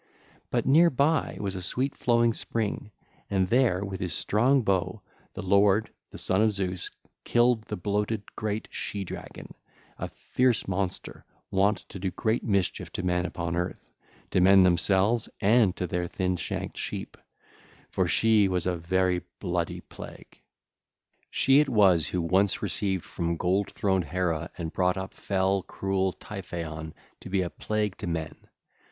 (ll. 300 310) But near by was a sweet flowing spring, and there with his strong bow the lord, the son of Zeus, killed the bloated, great she dragon, a fierce monster wont to do great mischief to men upon earth, to men themselves and to their thin shanked sheep; for she was a very bloody plague. She it was who once received from gold throned Hera and brought up fell, cruel Typhaon to be a plague to men.